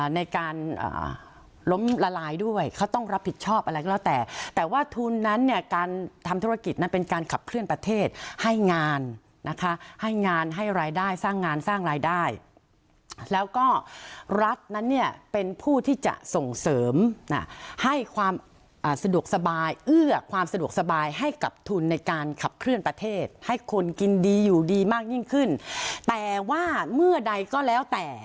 ในการล้มละลายด้วยเขาต้องรับผิดชอบอะไรก็แล้วแต่แต่ว่าทุนนั้นเนี่ยการทำธุรกิจนั้นเป็นการขับเคลื่อนประเทศให้งานนะคะให้งานให้รายได้สร้างงานสร้างรายได้แล้วก็รัฐนั้นเนี่ยเป็นผู้ที่จะส่งเสริมให้ความสะดวกสบายเอื้อความสะดวกสบายให้กับทุนในการขับเคลื่อนประเทศให้คนกินดีอยู่ดีมากยิ่งขึ้นแต่ว่าเมื่อใดก็แล้วแต่